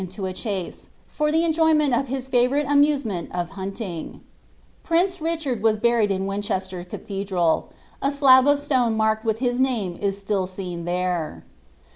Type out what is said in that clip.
into n chase, for the enjoyment of his fevourite amusement of hnnlinf Princc Richard was buriL <l in Winchester Calhedml : a stab of stone marked with his name is still seen there.